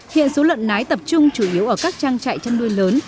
hiện số lợn nái tập trung chủ yếu ở các trang trại chăn nuôi lớn